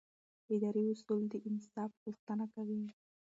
اداري اصول د انصاف غوښتنه کوي.